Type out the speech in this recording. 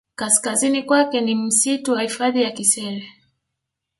Kaskazini kwake ni msitu wa hifadhi ya Kisere